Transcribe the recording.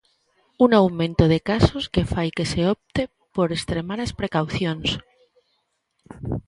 Un aumento de casos que fai que se opte por extremar as precaucións.